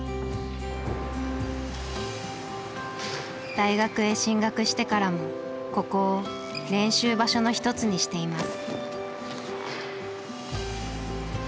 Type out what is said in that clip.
大学へ進学してからもここを練習場所の一つにしています。